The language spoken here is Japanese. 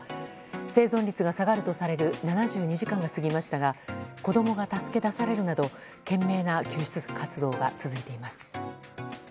生存率が下がるとされる７２時間が過ぎましたが子供が助け出されるなど懸命な救出活動が続いています。